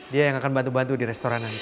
dia yang akan bantu bantu di restoran aja